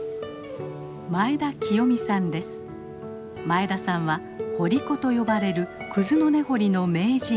前田さんは「掘り子」と呼ばれるクズの根掘りの名人。